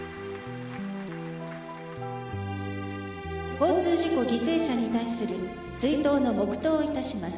交通事故犠牲者に対する追悼の黙とうをいたします。